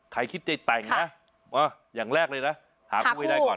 ใครคิดจะแต่งนะอย่างแรกเลยนะหาคู่ให้ได้ก่อน